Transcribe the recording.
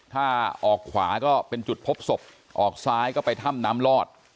ถ้าออกขวาก็เป็นจุดพบศพออกซ้ายก็ไปถ้ำน้ำลอด